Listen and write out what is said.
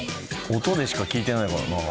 音でしか聞いてないからな。